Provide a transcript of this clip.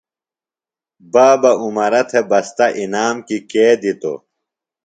بابہ عمرہ تھےۡ بستہ انعام کیۡ کے دِتوۡ؟